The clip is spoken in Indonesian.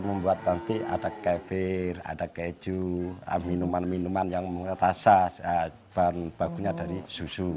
membuat nanti ada kefir ada keju minuman minuman yang terasa bahan bakunya dari susu